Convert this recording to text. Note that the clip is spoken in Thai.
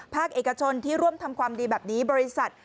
เอกชนที่ร่วมทำความดีแบบนี้บริษัท